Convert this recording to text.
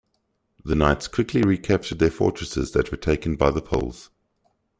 The Knights quickly recaptured their fortresses that were taken by the Poles.